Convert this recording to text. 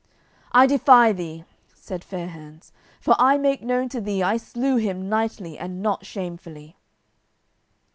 "I defy thee," said Fair hands, "for I make known to thee I slew him knightly and not shamefully."